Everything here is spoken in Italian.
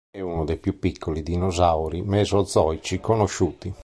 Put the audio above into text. È uno dei più piccoli dinosauri mesozoici conosciuti.